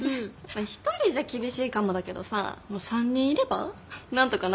１人じゃ厳しいかもだけどさ３人いれば何とかなるでしょ。